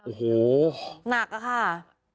โอ้โหหนักอะค่ะ